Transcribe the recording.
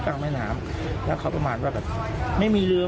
ประมาณนั้นนะครับเขาจะเอาเรือ